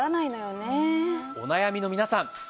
お悩みの皆さん